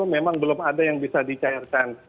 memang belum ada yang bisa dicairkan